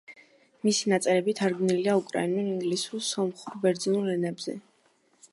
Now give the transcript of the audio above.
მისი ნაწერები თარგმნილია უკრაინულ, ინგლისურ, სომხურ, ბერძნულ ენებზე.